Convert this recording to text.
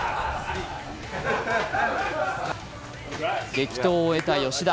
激闘を終えた吉田。